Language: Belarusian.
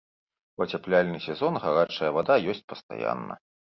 У ацяпляльны сезон гарачая вада ёсць пастаянна.